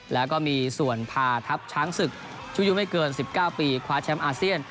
แล้วก็มีส่วนพาทัพช้างศึกชุดยุไม่เกิน๑๙ปีคว้าแชมป์อาเซียน